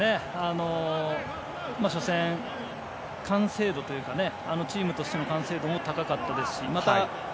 初戦もチームとしての完成度も高かったですしまた